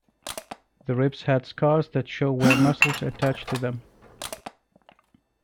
The ribs had scars that show where muscles attached to them.